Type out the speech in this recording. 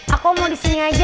aku mau disini aja